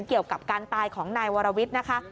เกี่ยวกับการตายของนายวรวิทย์นะคะ